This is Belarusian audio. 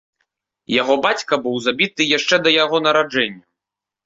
Яго бацька быў забіты яшчэ да яго нараджэння.